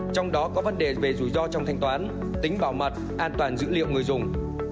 trong đó có vấn đề về rủi ro trong thanh toán tính bảo mật an toàn dữ liệu người dùng